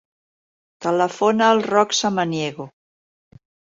Telefona al Roc Samaniego.